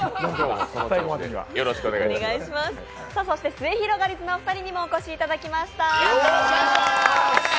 すゑひろがりずのお二人にもお越しいただきました。